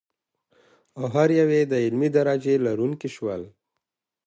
او هر یو یې د علمي درجې لرونکي شول.